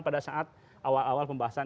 pada saat awal awal pembahasan